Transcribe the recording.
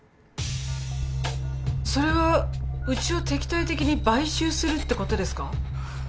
それはうちを敵対的に買収するってことですか。